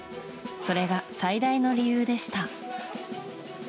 それが最大の理由でした。